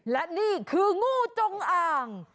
และนี่คืองูจงอ่าง